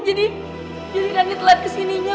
jadi nenek telat kesininya mas